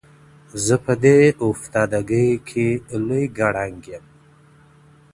زه په دې افتادګۍ کي لوی ګَړنګ یم.